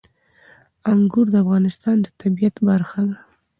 انګور د افغانستان د طبیعت برخه ده.